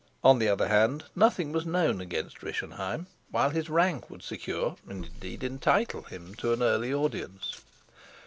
On the other hand, nothing was known against Rischenheim, while his rank would secure, and indeed entitle, him to an early audience.